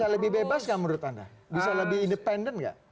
bisa lebih bebas nggak menurut anda bisa lebih independen nggak